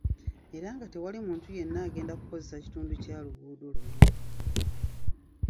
Era nga tewali muntu yenna agenda kukozesa kitundu kya luguudo kino.